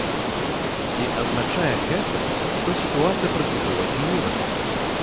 Ці азначае гэта, што сітуацыя прынцыпова змянілася?